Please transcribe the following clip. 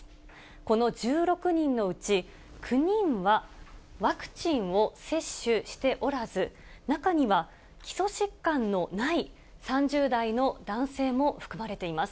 この１６人のうち９人は、ワクチンを接種しておらず、中には、基礎疾患のない３０代の男性も含まれています。